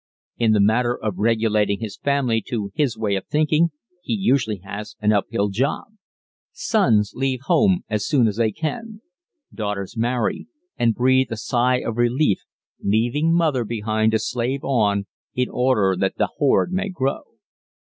In the matter of regulating his family to his way of thinking he usually has an uphill job. Sons leave home as soon as they can; daughters marry and breathe a sigh of relief, leaving mother behind to slave on in order that the hoard may grow.